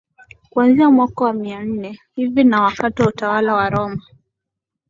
Kuanzia mwaka wa mia nne hivi na wakati wa utawala wa Roma